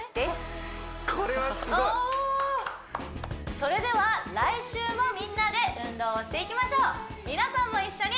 それでは来週もみんなで運動をしていきましょう皆さんも一緒に！